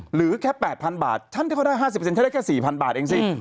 หรือแค่๘๐๐บาทฉันเข้าได้๕๐ฉันได้แค่๔๐๐บาทเองสิ